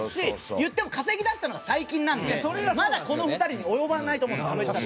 いっても稼ぎ出したのは最近なのでこの２人には及ばないと思うんです。